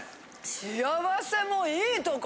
幸せもいいとこ。